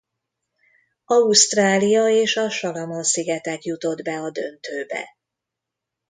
Ausztrália és a Salamon-szigetek jutott be a döntőbe.